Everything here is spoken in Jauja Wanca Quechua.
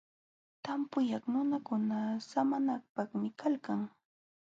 Tampukaq nunakuna samanapaqmi kalqa.